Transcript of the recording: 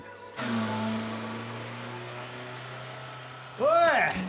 おい！